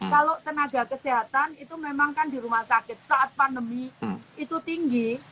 kalau tenaga kesehatan itu memang kan di rumah sakit saat pandemi itu tinggi